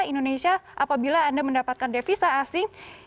indonesia apabila anda mendapatkan devisa asing